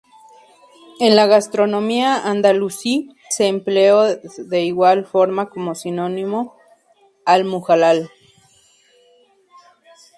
En la gastronomía andalusí se empleó de igual forma como sinónimo "al-mujallal".